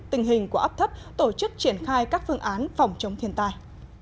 tình hình của áp thấp tổ chức triển khai các phương án phòng chống thiên tai